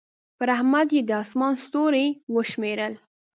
پر احمد يې د اسمان ستوري وشمېرل.